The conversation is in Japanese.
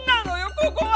ここは！